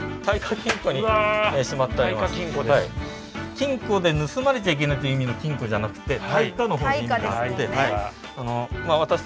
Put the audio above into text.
金庫で盗まれちゃいけないっていう意味の金庫じゃなくて耐火の方に意味があって。